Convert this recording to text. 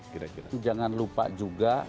jangan lupa juga